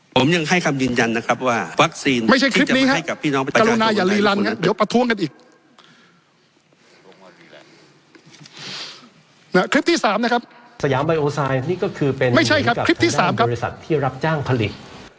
ผมยังให้คำดินยันนะครับว่าวัคซีน